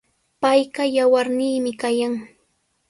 Payqa yawarniimi kallan.